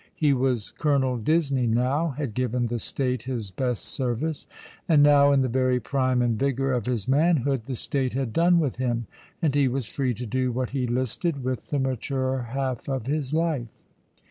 He was Colonel Disney now, had given the State his best service, and now, in the very prime and vigour of his manhood, the State had done with him, and he was free to do what he listed with the maturer half of his life.